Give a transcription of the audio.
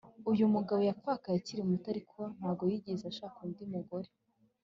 Uyumugabo yapfakaye akiri muto ariko ntago yigeze ashaka undi mugore